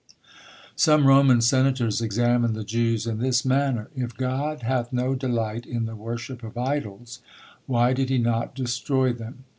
"Some Roman senators examined the Jews in this manner: If God hath no delight in the worship of idols, why did he not destroy them?